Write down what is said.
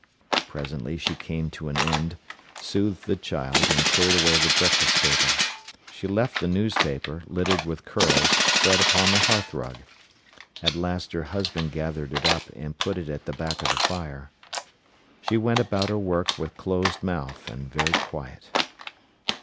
Presently she came to an end, soothed the child and cleared away the breakfast table. She left the newspaper, littered with curls, spread upon the hearthrug. At last her husband gathered it up and put it at the back of the fire. She went about her work with closed mouth and very quiet.